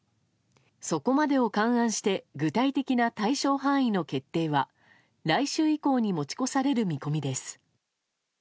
そこまでを勘案して具体的な対象範囲の決定は来週以降に持ち越される見込みです。